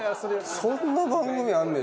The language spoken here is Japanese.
そんな番組あんねや。